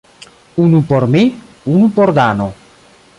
Unu por mi, unu por Dano.